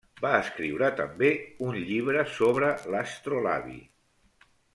Va escriure també un llibre sobre l'astrolabi.